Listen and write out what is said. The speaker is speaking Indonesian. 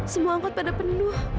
semua angkot pada penuh